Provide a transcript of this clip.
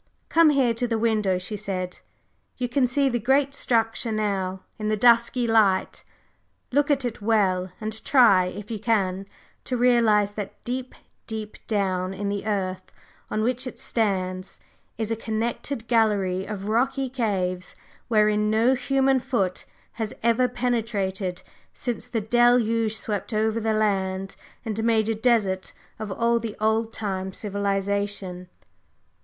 "Come here to the window," she said. "You can see the great structure now, in the dusky light, look at it well and try, if you can, to realize that deep, deep down in the earth on which it stands is a connected gallery of rocky caves wherein no human foot has ever penetrated since the Deluge swept over the land and made a desert of all the old time civilization!"